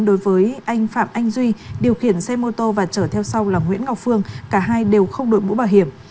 đối với anh phạm anh duy điều khiển xe mô tô và chở theo sau là nguyễn ngọc phương cả hai đều không đội mũ bảo hiểm